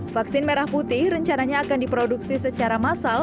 vaksin merah putih rencananya akan diproduksi secara massal